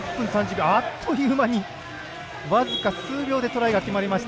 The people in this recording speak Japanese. あっという間に僅か数秒でトライが決まりました。